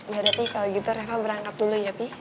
ya berarti kalau gitu reva berangkat dulu ya pi